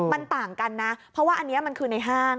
มันต่างกันนะเพราะว่าอันนี้มันคือในห้าง